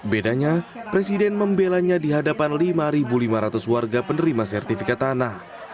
bedanya presiden membelanya di hadapan lima lima ratus warga penerima sertifikat tanah